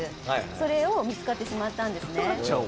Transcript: それを見つかってしまったんですね。